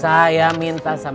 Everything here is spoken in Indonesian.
kalian nyanyi lagu kesukaan mereka